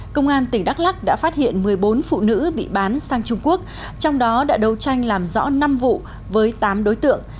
công an tỉnh đắk lắc đã phát hiện một mươi bốn phụ nữ bị bán sang trung quốc trong đó đã đấu tranh làm rõ năm vụ với tám đối tượng